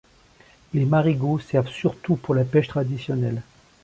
Les marigots servent surtout pour la pêche traditionnelle.